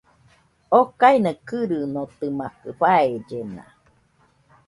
Okaina kɨrɨnotɨmakɨ, faellena